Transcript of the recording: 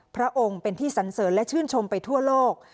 พระองค์เป็นที่สันเสริญและชื่นชมไปทั่วโลก